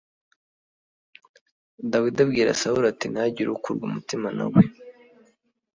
Dawidi abwira Sawuli ati “Ntihagire ukurwa umutima na we